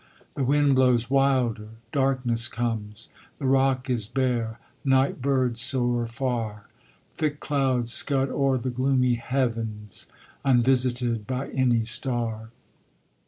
The wind blows wilder, darkness comes, The rock is bare, night birds soar far; Thick clouds scud o'er the gloomy heav'ns Unvisited by any star.